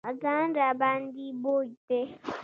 ځان راباندې بوج دی.